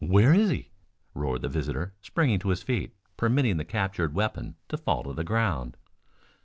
Where is he?" roared the visitor springing to his feet, permitting the captured weapon to fall to the ground.